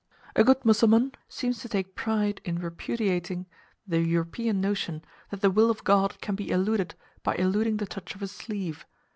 A good Mussulman seems to take pride in repudiating the European notion that the will of God can be eluded by eluding the touch of a sleeve.